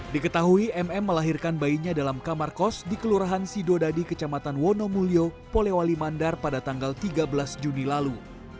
diketahui mm melahirkan bayinya dalam kamar kos di kelurahan sidodadi kecamatan wonomulyo polewali mandar pada tanggal tiga belas juni lalu